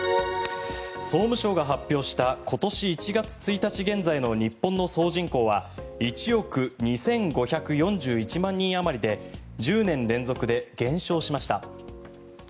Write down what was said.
総務省が発表した今年１月１日現在の日本の総人口は１億２５４１万人あまりで１０年連続で減少しました。